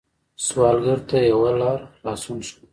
سوالګر ته یوه لاره خلاصون ښکاري